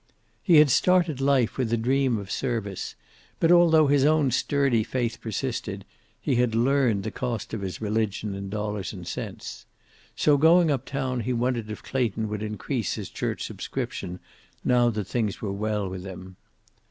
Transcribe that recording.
He had started life with a dream of service, but although his own sturdy faith persisted, he had learned the cost of religion in dollars and cents. So, going up town, he wondered if Clayton would increase his church subscription, now that things were well with him.